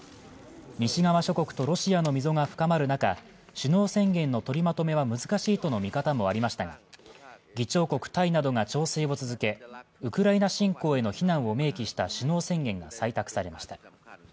西側諸国とロシアの溝が深まる中、取りまとめは難しいとの見方もありましたが、議長国タイなどが調整を続けウクライナ侵攻への非難を明記した首脳宣言が採択されました。